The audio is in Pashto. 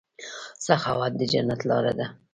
سخاوت د جنت لاره ده.